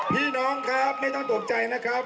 พี่น้องครับไม่ต้องตกใจนะครับ